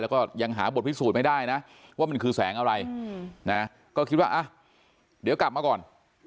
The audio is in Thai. แล้วก็ยังหาบทพิสูจน์ไม่ได้นะว่ามันคือแสงอะไรนะก็คิดว่าอ่ะเดี๋ยวกลับมาก่อน